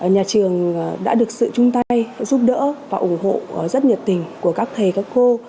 nhà trường đã được sự chung tay giúp đỡ và ủng hộ rất nhiệt tình của các thầy các cô